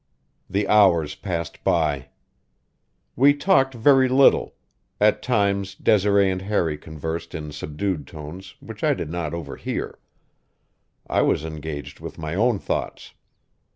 The hours passed by. We talked very little; at times Desiree and Harry conversed in subdued tones which I did not overhear; I was engaged with my own thoughts.